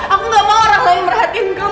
aku gak mau orang lain merahatin kamu